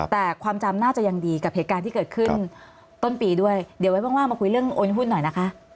แต่ความจำน่าจะยังดีกับเหตุการณ์ที่เกิดขึ้นต้นปีด้วยเดี๋ยวไว้ว่างมาคุยเรื่องโอนหุ้นหน่อยนะคะ